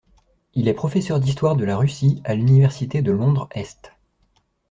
Il est professeur d'histoire de la Russie à l'université de Londres-Est.